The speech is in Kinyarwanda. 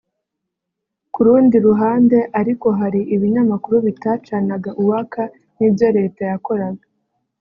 Ku rundi ruhande ariko hari ibinyamakuru bitacanaga uwaka n’ibyo Leta yakoraga